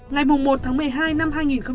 ngày một tháng một mươi hai năm hai nghìn hai mươi